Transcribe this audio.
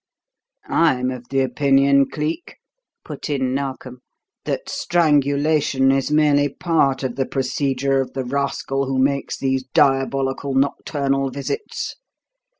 "I'm of the opinion, Cleek," put in Narkom, "that strangulation is merely part of the procedure of the rascal who makes these diabolical nocturnal visits.